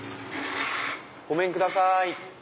ごめんください！